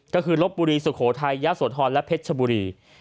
ก็คือลบบุรีสุโขทัยยะโสธรและเพชรชบุรี